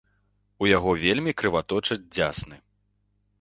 У яго вельмі крываточаць дзясны.